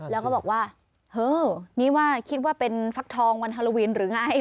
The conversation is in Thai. แล้วก็บอกว่าเออนี่ว่าคิดว่าเป็นฟักทองวันฮาโลวินหรือไง